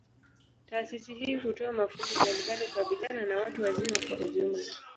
Taasisi hii hutoa mafunzo mbalimbali kwa vijana na watu wazima kwa ujumla.